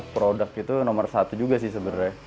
produk itu nomor satu juga sih sebenarnya